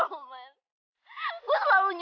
aku mau pergi kemana mana